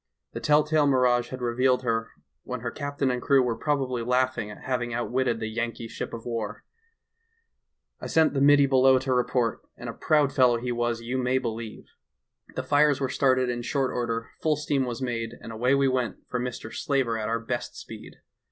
The tell tale mirage had revealed her when her captain and crew were probably laughing at hav ing outwitted the Yankee ship of war. "I sent the middy below to report, and a proud fellow he was, you may believe. The fires were started in short order, full steam was made, and away we went for Mr. Slaver at our best speed.